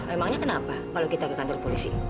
emangnya kenapa kalau kita ke kantor polisi